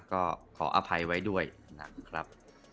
ก็ขออภัยไว้ด้วยนะครับ